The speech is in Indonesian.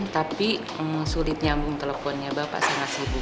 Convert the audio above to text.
tapi sulit nyambung teleponnya bapak sangat sibuk